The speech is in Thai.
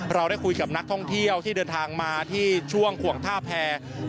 เราได้คุยกับนักท่องเที่ยวที่เดินทางมาที่ช่วงขวงท่าแพร